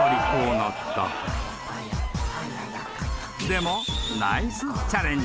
［でも］